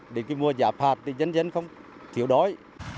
để mua giả phạt thì nhân dân không thiếu đói